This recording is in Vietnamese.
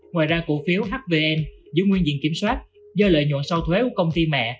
ngoài ra cổ phiếu hvn giữ nguyên diện kiểm soát do lợi nhuận sau thuế của công ty mẹ